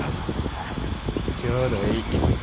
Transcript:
ハハハちょうどえい。